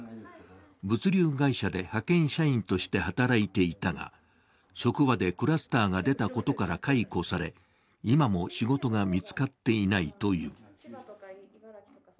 物流会社で派遣社員として働いていたが、職場でクラスターが出たことから解雇され今も仕事が見つかっていないという。